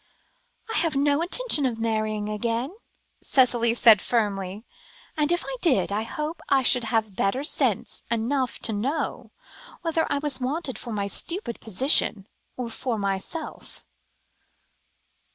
"I have no intention of marrying again," Cicely said firmly, "and, if I did, I hope I should have sense enough to know whether I was wanted for my stupid position, or for myself."